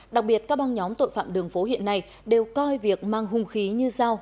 đặc biệt các băng nhóm tội phạm đường phố hiện nay đều coi việc mang hùng khí như dao